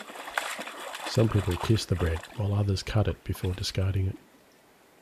Some people kiss the bread while others cut it before discarding it.